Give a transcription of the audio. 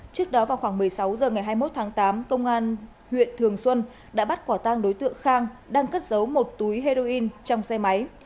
trước đó vào khoảng một mươi sáu h ngày hai mươi một tháng tám công an huyện thường xuân đã bắt quả tang đối tượng khang đang cất giấu một túi heroin trong xe máy